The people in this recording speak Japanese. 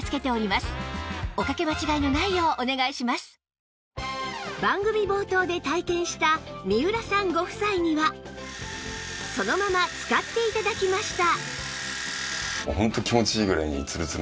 さらに番組冒頭で体験した三浦さんご夫妻にはそのまま使って頂きました